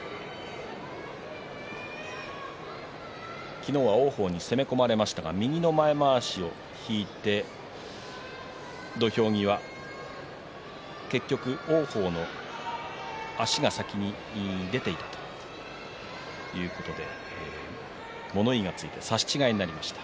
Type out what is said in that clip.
昨日は王鵬に攻め込まれましたが右の前まわしを引いて土俵際、結局王鵬の足が先に出ていたということで物言いがついて差し違えになりました。